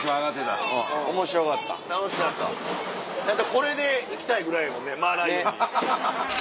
これで行きたいぐらいよねマーライオンに。